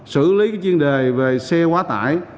xử lý chuyên đề về xe quá tải